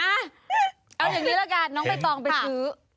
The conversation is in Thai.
อ่าเอาอย่างนี้แล้วกันน้องไปต่อไปซื้อ